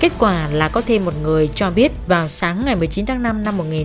kết quả là có thêm một người cho biết vào sáng ngày một mươi chín tháng năm năm một nghìn chín trăm bảy mươi